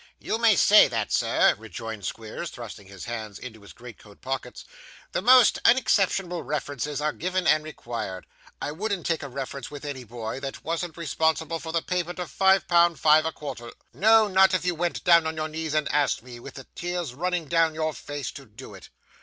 'You may say that, sir,' rejoined Squeers, thrusting his hands into his great coat pockets. 'The most unexceptionable references are given and required. I wouldn't take a reference with any boy, that wasn't responsible for the payment of five pound five a quarter, no, not if you went down on your knees, and asked me, with the tears running down your face, to do it.